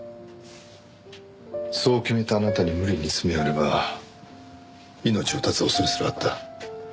そう決めたあなたに無理に詰め寄れば命を絶つ恐れすらあった。